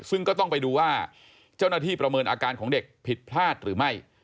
ซึ่งก็ต้องไปดูว่าเจ้าหน้าที่ประเมินอาการของเด็กผิดพลาดหรือไม่